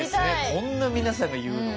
こんな皆さんが言うのは。